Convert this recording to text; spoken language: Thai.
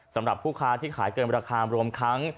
สำหรับผู้ค้าที่ขายเกินราคารวมทั้ง